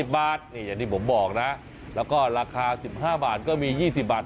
อย่างที่ผมบอกนะแล้วก็ราคา๑๕บาทก็มี๒๐บาท